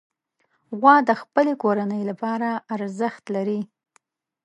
غوا د خپلې کورنۍ لپاره ارزښت لري.